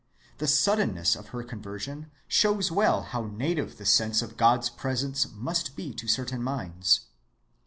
The suddenness of her conversion shows well how native the sense of God's presence must be to certain minds.